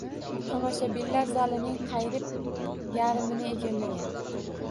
Tomoshabinlar zalining qariyb yarmini egallagan.